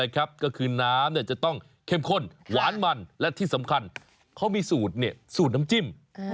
ก็คือน้ำจะต้องเข้มข้นหวานมันและที่สำคัญเขามีสูตรน้ำจิ้ม